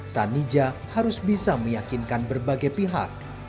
sanija harus bisa meyakinkan berbagai pihak